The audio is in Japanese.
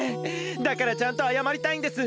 だからちゃんとあやまりたいんです！